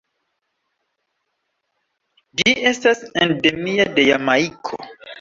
Ĝi estas endemia de Jamajko.